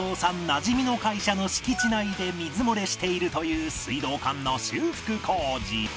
なじみの会社の敷地内で水漏れしているという水道管の修復工事